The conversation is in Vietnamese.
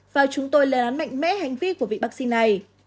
và chúng tôi lời đánh mạnh mẽ hành vi của vị bác sĩ này